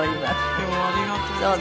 今日はありがとうございます。